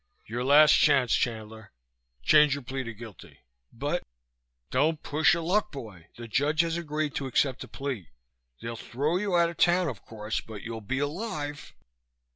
"Your last chance, Chandler. Change your plea to guilty." "But " "Don't push your luck, boy! The judge has agreed to accept a plea. They'll throw you out of town, of course. But you'll be alive."